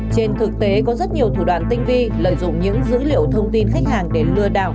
trên thực tế có rất nhiều thủ đoạn tinh vi lợi dụng những dữ liệu thông tin khách hàng để lừa đảo